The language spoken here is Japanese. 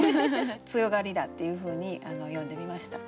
強がりだっていうふうに詠んでみました。